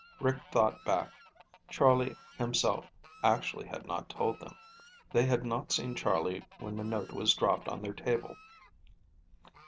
Rick thought back. Charlie himself actually had not told them. They had not seen Charlie when the note was dropped on their table.